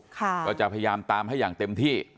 ก็จะพยายามตามให้อย่างเต็มที่